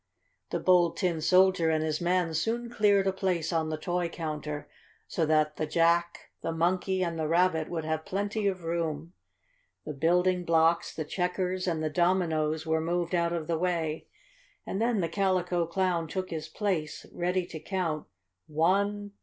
The Bold Tin Soldier and his men soon cleared a place on the toy counter so that the Jack, the Monkey and the Rabbit would have plenty of room. The building blocks, the checkers and the dominoes were moved out of the way, and then the Calico Clown took his place, ready to count "One!